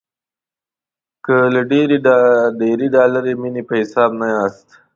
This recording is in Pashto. که له ډېرې ډالري مینې په حساب نه یاست.